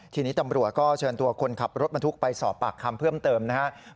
ทีนี้ตำรวจก็เชิญตัวคนขับรถบรรทุกไปสอบปากคำเพิ่มเติมนะครับ